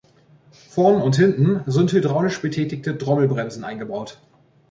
Vorn und hinten sind hydraulisch betätigte Trommelbremsen eingebaut.